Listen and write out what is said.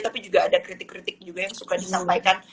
tapi juga ada kritik kritik juga yang suka disampaikan